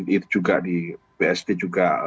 itu juga di bst juga